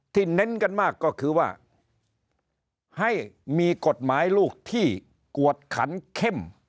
เน้นกันมากก็คือว่าให้มีกฎหมายลูกที่กวดขันเข้ม